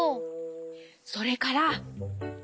それから。